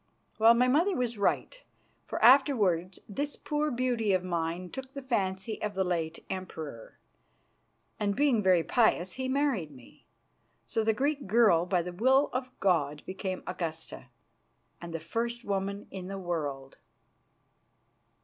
Well, my mother was right, for afterwards this poor beauty of mine took the fancy of the late Emperor, and, being very pious, he married me. So the Greek girl, by the will of God, became Augusta and the first woman in the world."